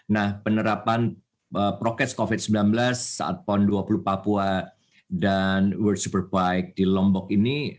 nah penerapan prokes covid sembilan belas saat pon dua puluh papua dan world superbike di lombok ini